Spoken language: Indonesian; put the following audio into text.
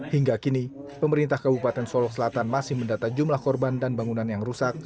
hingga kini pemerintah kabupaten solok selatan masih mendata jumlah korban dan bangunan yang rusak